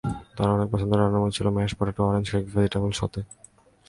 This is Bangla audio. তাঁর অনেক পছন্দের রান্না ছিল mash potato, orange cake, vegetable সতে।